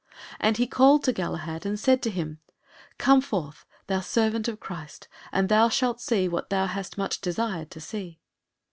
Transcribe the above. And he called to Galahad and said to him, "Come forth, thou servant of Christ, and thou shalt see what thou hast much desired to see."